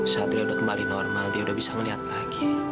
saat dia udah kembali normal dia udah bisa melihat lagi